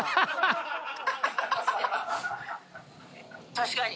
確かに。